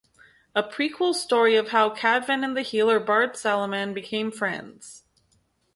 A prequel story of how Cadvan and the healer Bard Saliman became friends.